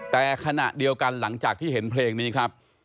แต่ขณะเดียวกันหลังจากที่เห็นเพลงนี้ครับ